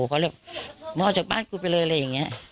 เขาเลยมึงออกจากบ้านกูไปเลยอะไรอย่างนี้